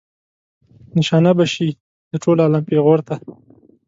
نشانه به شئ د ټول عالم پیغور ته.